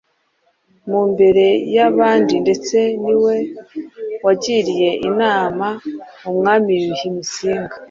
mu mbere y’abandi ndetse ni we wagiriye inama Umwami Yuhi Musinga